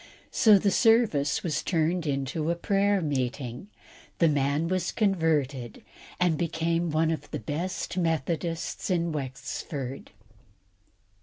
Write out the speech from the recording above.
So the service was turned into a prayer meeting, the man was converted, and became one of the best Methodists in Wexford.